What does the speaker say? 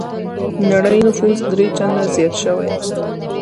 نړۍ نفوس درې چنده زيات شوی.